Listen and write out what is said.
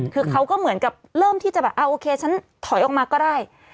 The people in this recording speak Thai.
คือเขาก็เหมือนกับเริ่มที่จะแบบโอเคฉันถอยออกมาก็ได้